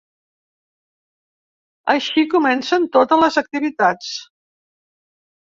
Així comencen totes les activitats.